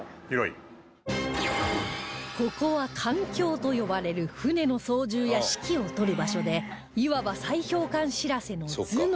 ここは艦橋と呼ばれる船の操縦や指揮を執る場所でいわば砕氷艦「しらせ」の頭脳